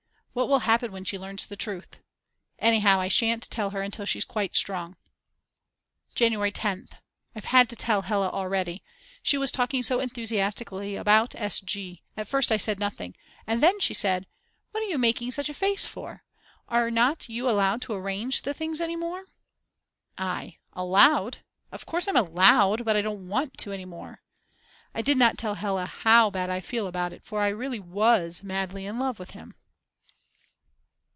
What will happen when she learns the truth. Anyhow I shan't tell her until she's quite strong. January 10th. I've had to tell Hella already. She was talking so enthusiastically about S. G. At first I said nothing. And then she said: What are you making such a face for? Are not you allowed to arrange the things any more? I: Allowed? Of course I'm allowed, but I don't want to any more. I did not tell Hella how bad I feel about it; for I really was madly in love with him.